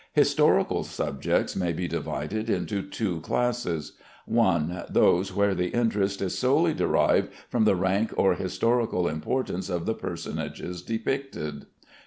Historical subjects may be divided into two classes: 1. Those where the interest is solely derived from the rank or historical importance of the personages depicted.